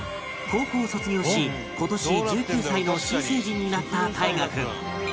高校を卒業し今年１９歳の新成人になった汰佳君